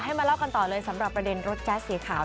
มาเล่ากันต่อเลยสำหรับประเด็นรถแจ๊สสีขาว